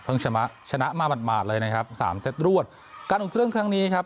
เพิ่งชนะมาหมดหมาดเลยนะครับสามเซตรวดการอุดเตือนทางนี้ครับ